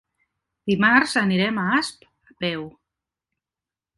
Dimarts anirem a Asp a peu.